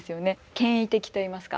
権威的といいますか。